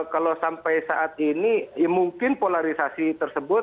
kalau sampai saat ini ya mungkin polarisasi tersebut